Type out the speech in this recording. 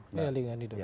iya ada lingkungan hidup